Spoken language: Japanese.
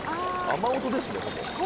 雨音ですね